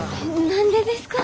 何でですか？